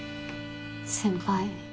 先輩。